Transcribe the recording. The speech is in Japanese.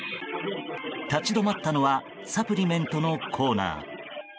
立ち止まったのはサプリメントのコーナー。